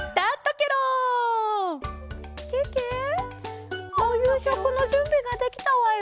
けけおゆうしょくのじゅんびができたわよ。